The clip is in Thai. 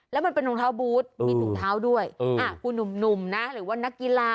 แล้วมันเป็นรองเท้าบูธมีถุงเท้าด้วยคุณหนุ่มนะหรือว่านักกีฬา